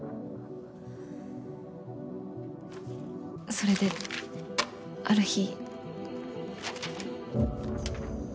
それである日。